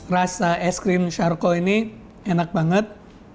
rasa es krim sharco ini enak banget